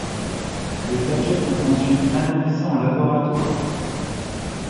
Les plaquettes sont ensuite analysées en laboratoire.